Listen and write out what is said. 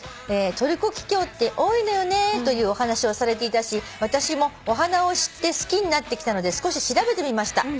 「『トルコキキョウって多いのよね』というお話をされていたし私もお花を知って好きになってきたので少し調べてみました」